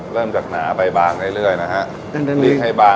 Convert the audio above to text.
เริ่มจากหนาไปบางเรื่อยนะฮะ